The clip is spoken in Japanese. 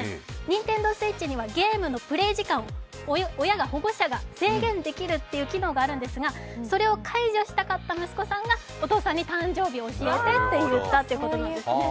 ＮｉｎｔｅｎｄｏＳｗｉｔｃｈにはゲームのプレー時間を保護者が制限できる機能があるんですが、それを解除したかった息子さんがお父さんに、誕生日を教えてと言ったということなんですね。